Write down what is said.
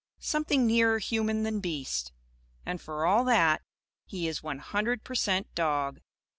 Something nearer human than beast. And, for all that, he is one hundred per cent dog.